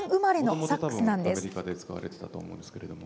もともと、たぶんアメリカで使われていたと思うんですけど